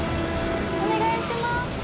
お願いします。